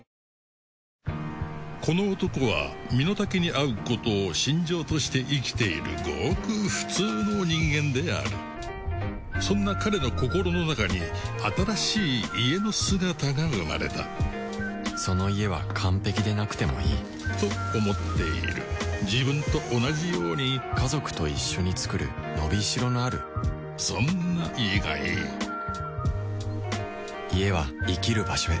この男は身の丈に合うことを信条として生きているごく普通の人間であるそんな彼の心の中に新しい「家」の姿が生まれたその「家」は完璧でなくてもいいと思っている自分と同じように家族と一緒に作る伸び代のあるそんな「家」がいい家は生きる場所へ